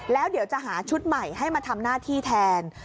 แล้วเดี๋ยวจะหาชุดใหม่ให้มาทำหน้าที่แทน